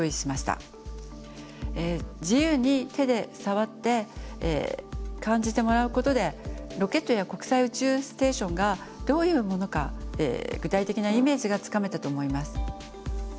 自由に手で触って感じてもらうことでロケットや国際宇宙ステーションがどういうものか具体的なイメージがつかめたと思います。